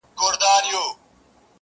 • زړه لکه هينداره ښيښې گلي؛